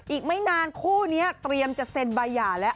อีกไม่นานคู่นี้เตรียมจะเซ็นใบหย่าแล้ว